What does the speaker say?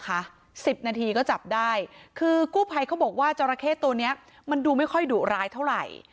สิบนาทีก็จับได้คือกู้ภัยเขาบอกว่าจราเข้ตัวนี้มันดูไม่ค่อยดุร้ายเท่าไหร่